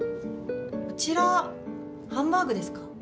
こちらハンバーグですか？